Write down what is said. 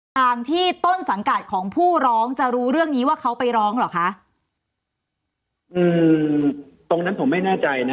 ทางที่ต้นสังกัดของผู้ร้องจะรู้เรื่องนี้ว่าเขาไปร้องเหรอคะอืมตรงนั้นผมไม่แน่ใจนะ